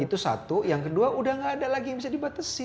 itu satu yang kedua udah gak ada lagi yang bisa dibatasi